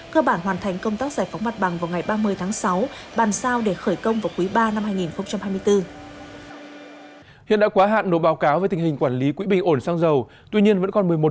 cơ bản hoàn thành công tác giải phóng mặt bằng vào ngày ba mươi tháng sáu bàn sao để khởi công vào quý ba năm hai nghìn hai mươi bốn